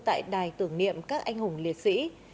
tại đài tưởng niệm các anh hùng liệt sĩ